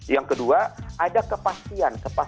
yang kedua ada kepastian dalam perumusan daripada upah ini